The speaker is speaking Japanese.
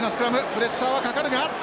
プレッシャーはかかるが。